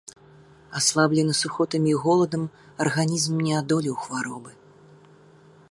Аслаблены сухотамі і голадам арганізм не адолеў хваробы.